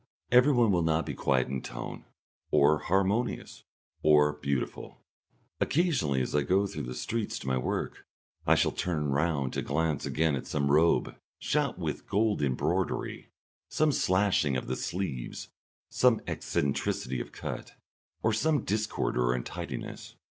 Everyone will not be quiet in tone, or harmonious, or beautiful. Occasionally, as I go through the streets to my work, I shall turn round to glance again at some robe shot with gold embroidery, some slashing of the sleeves, some eccentricity of cut, or some discord or untidiness.